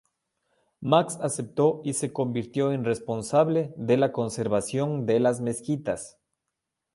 Max aceptó y se convirtió en responsable de la conservación de las mezquitas.